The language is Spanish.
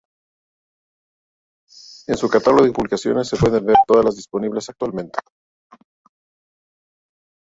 En su Catálogo de Publicaciones se pueden ver todas las disponibles actualmente.